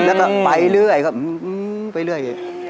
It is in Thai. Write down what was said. แล้วก็ไปเรื่อยครับไปเรื่อย